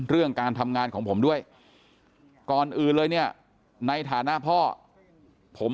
เรื่องการทำงานของผมด้วยก่อนอื่นเลยเนี่ยในฐานะพ่อผม